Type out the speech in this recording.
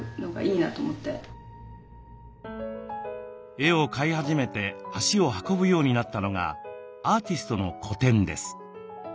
絵を買い始めて足を運ぶようになったのがアーティストの個展です。